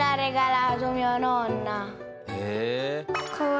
へえ。